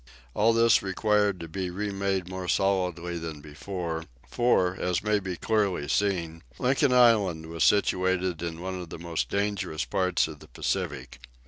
All this required to be remade more solidly than before, for, as may be clearly seen, Lincoln Island was situated in one of the most dangerous parts of the Pacific.